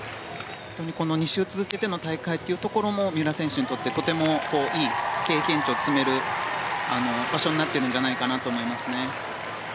この２週続けての大会というところも三浦選手にとってとてもいい経験値を積める場所になっているのではないかと思いますね。